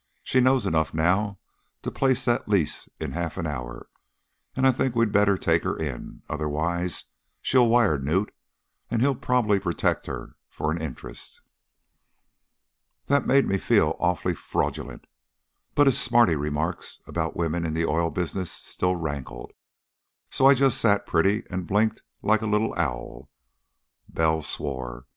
She knows enough now to place that lease in half an hour, and I think we'd better take her in. Otherwise she'll wire Knute, and he'll probably protect her for an interest.' "That made me feel awfully fraudulent, but his smarty remarks about women in the oil business still rankled, so I just sat pretty and blinked like a little owl. Bell swore.